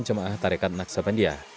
jemaah tarekat naksabandia